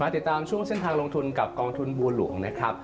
ติดตามช่วงเส้นทางลงทุนกับกองทุนบัวหลวงนะครับ